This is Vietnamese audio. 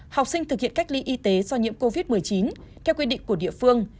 học sinh thực hiện cách ly y tế do nhiễm covid một mươi chín theo quy định của địa phương